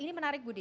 ini menarik budi